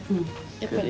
やっぱり」